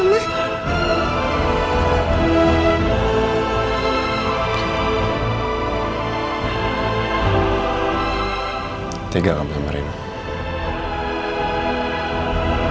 ma kita main di kamar yuk mama